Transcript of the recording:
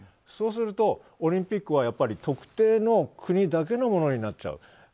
そうするとオリンピックはやっぱり特定の国だけのものだけになっちゃう。